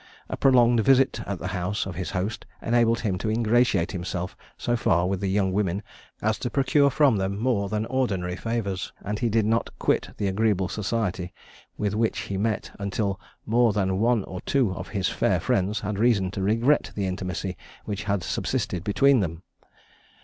A prolonged visit at the house of his host enabled him to ingratiate himself so far with the young women as to procure from them more than ordinary favours; and he did not quit the agreeable society with which he met, until more than one or two of his fair friends had reason to regret the intimacy which had subsisted between them.